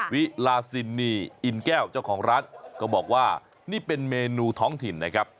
วิลาซินนีอินแก้วเจ้าของร้านก็บอกว่านี่เป็นเมนูท้องถิ่นนะครับ